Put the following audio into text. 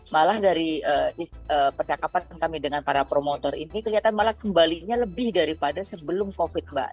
malah dari percakapan kami dengan para promotor ini kelihatan malah kembalinya lebih daripada sebelum covid mbak